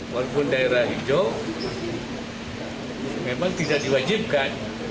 walaupun daerah hijau memang tidak diwajibkan